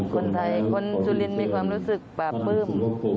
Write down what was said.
คนไทยคนสุรินทร์มีความรู้สึกปราบปลื้ม